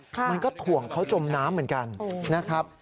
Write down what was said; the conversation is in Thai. มันก็ถ่วงเขาจมน้ำเหมือนกันนะครับ